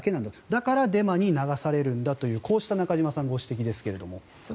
だからデマに流されるんだというこうした中島さん、ご指摘ですが。